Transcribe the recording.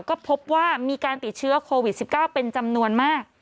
ก็พบว่ามีการติดเชื้อโควิด๑๙เป็นจำนวนมาก